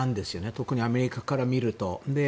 特にアメリカから見ると。